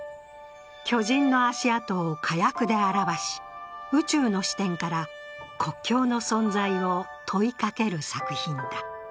巨人の足跡を火薬で表し、宇宙の視点から国境の存在を問いかける作品だ。